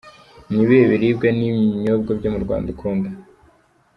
Ni ibihe biribwa n’ibinyobwa byo mu Rwanda ukunda?.